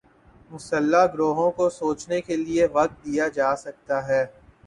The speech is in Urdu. مسلح گروہوں کو سوچنے کے لیے وقت دیا جا سکتا ہے۔